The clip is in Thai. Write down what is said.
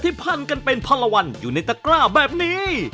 ที่พันกันเป็นภารวัลอยู่ในตะกร้าแบบนี้